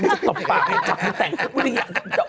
พี่อุ๊บจะตกปากที่ตกแต่งฝีระยะ